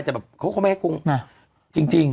แต่เขาไม่ให้คงจริง